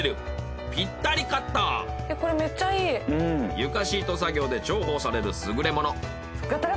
床シート作業で重宝される優れもの。